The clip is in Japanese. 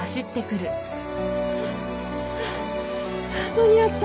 間に合った。